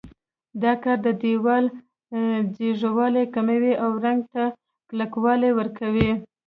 دا کار د دېوال ځیږوالی کموي او رنګ ته کلکوالی ورکوي.